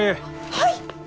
はい！